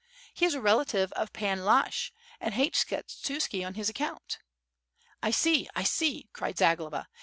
He is a relative of Pan Lashch, and hates Skshe * tuski on his account.'^ "I see, I see!" cried Zagloba.